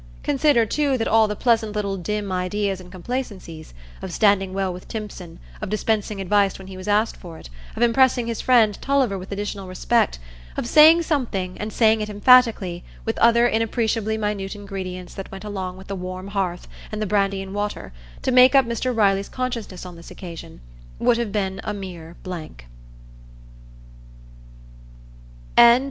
Consider, too, that all the pleasant little dim ideas and complacencies—of standing well with Timpson, of dispensing advice when he was asked for it, of impressing his friend Tulliver with additional respect, of saying something, and saying it emphatically, with other inappreciably minute ingredients that went along with the warm hearth and the brandy and water to make up Mr Riley's consciousness on this occasion—would have been a mere blank.